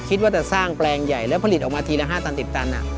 คิดว่าจะสร้างแปลงใหญ่แล้วผลิตออกมาทีละ๕ตันติดตัน